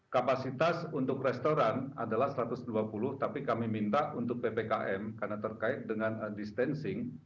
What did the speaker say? kapasitas untuk restoran adalah satu ratus dua puluh tapi kami minta untuk ppkm karena terkait dengan distancing